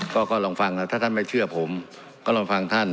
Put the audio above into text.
ก็ลองฟังนะถ้าท่านไม่เชื่อผมก็ลองฟังท่าน